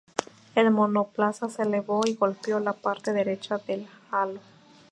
El monoplaza se elevó y golpeó la parte derecha del Halo.